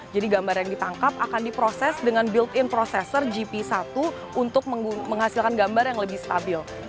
jadi gambar yang ditangkap akan diproses dengan built in prosesor gp satu untuk menghasilkan gambar yang lebih stabil